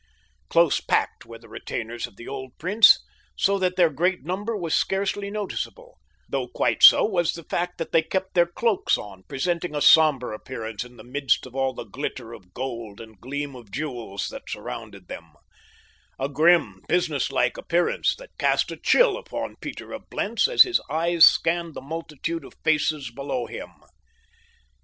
Close packed were the retainers of the old prince so that their great number was scarcely noticeable, though quite so was the fact that they kept their cloaks on, presenting a somber appearance in the midst of all the glitter of gold and gleam of jewels that surrounded them—a grim, business like appearance that cast a chill upon Peter of Blentz as his eyes scanned the multitude of faces below him.